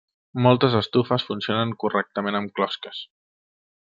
Moltes estufes funcionen correctament amb closques.